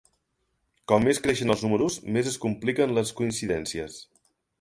Com més creixen els números més es compliquen les coincidències.